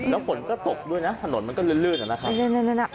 แล้วฝนก็ตกด้วยนะถนนมันก็ลื่นนะครับ